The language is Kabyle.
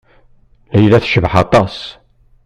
Layla tecbeḥ aṭas.